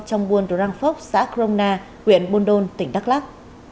trong buôn đồ răng phốc xã crona huyện buôn đôn tỉnh đắk lắc